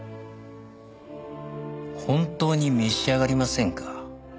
本当に召し上がりませんか？